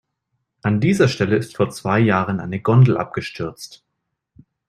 An dieser Stelle ist vor zwei Jahren eine Gondel abgestürzt.